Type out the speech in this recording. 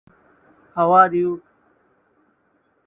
These cells maintain contact with each other through tight junctions.